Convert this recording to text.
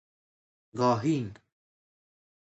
گاهین